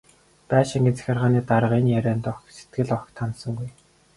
Байшингийн захиргааны дарга энэ ярианд сэтгэл огт ханасангүй.